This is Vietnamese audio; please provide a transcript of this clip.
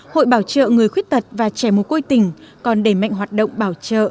hội bảo trợ người khuyết tật và chém mối côi tỉnh còn đẩy mạnh hoạt động bảo trợ